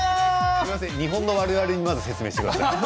すみません、日本の我々にまず説明してください。